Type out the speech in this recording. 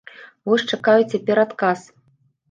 Вось чакаю цяпер адказ.